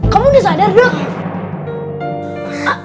kamu udah sadar dodot